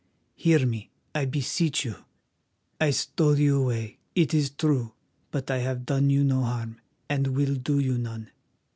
Hear me, I beseech you. I stole you away, it is true, but I have done you no harm, and will do you none.